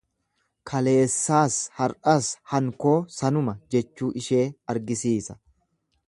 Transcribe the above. Kaleessaas har'as hankoo sanuma jechuu ishee agarsiisa.